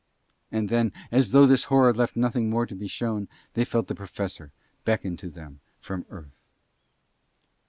And then, as though this horror left nothing more to be shown, they felt the Professor beckon to them from Earth.